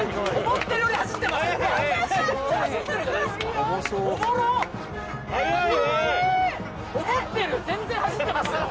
思ってるより全然走ってますよ